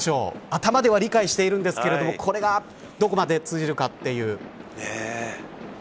頭では理解しているんですけどこれがどこまで通じるか。